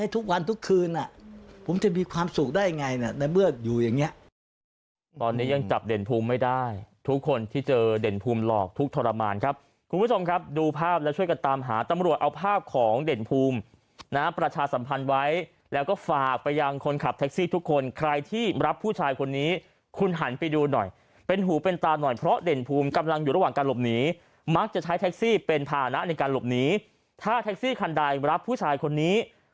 ทุกวันทุกคืนผมจะมีความสุขได้ยังไงในเมืองอยู่อย่างนี้